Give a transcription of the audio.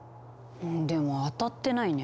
うんでも当たってないね。